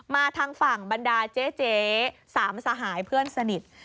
ทางฝั่งบรรดาเจ๊สามสหายเพื่อนสนิท